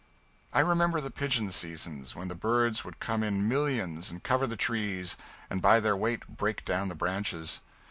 I remember the pigeon seasons, when the birds would come in millions, and cover the trees, and by their weight break down the branches.